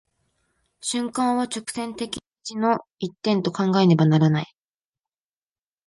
瞬間は直線的時の一点と考えねばならない。